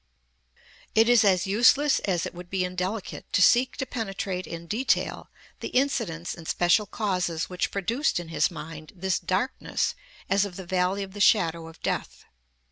It is as useless as it would be indelicate to seek to penetrate in detail the incidents and special causes which produced in his mind this darkness as of the valley of the shadow of death.